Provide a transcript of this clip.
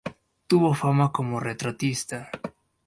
Tuvo fama como retratista.